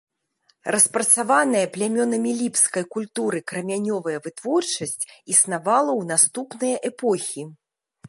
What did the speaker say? Распрацаваная плямёнамі ліпскай культуры крамянёвая вытворчасць існавала ў наступныя эпохі.